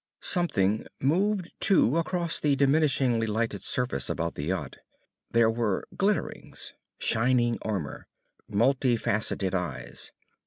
Something moved, too, across the diminishingly lighted surface about the yacht. There were glitterings. Shining armor. Multi faceted eyes.